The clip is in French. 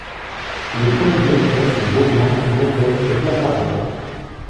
Les premiers directeurs sont Baudouin, Bovet et Claparède.